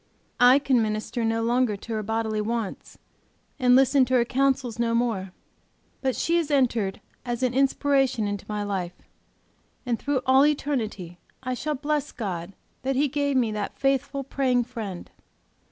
I can minister no longer to her bodily wants, and listen to her counsels no more, but she has entered as an inspiration into my life, and through all eternity I shall bless God that He gave me that faithful, praying friend.